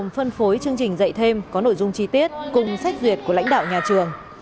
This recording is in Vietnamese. phân phối chương trình dạy thêm có nội dung chi tiết cùng xét duyệt của lãnh đạo nhà trường